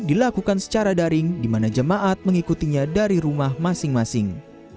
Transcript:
dilakukan secara daring di mana jemaat mengikutinya dari rumah masing masing